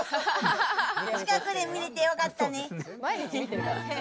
近くで見れて、よかったね！